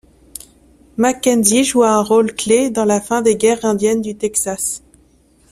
Mackenzie joua un rôle clef dans la fin des guerres Indiennes du Texas.